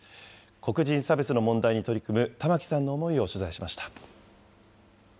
黒人差別の問題に取り組むタマキさんの思いを取材しました。